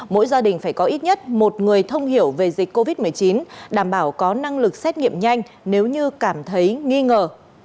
mỗi gia đình phải có ít nhất một người thông hiểu về dịch covid một mươi chín đảm bảo có năng lực xét nghiệm nhanh nếu như cảm thấy nghi ngờ